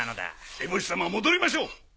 エボシ様戻りましょう！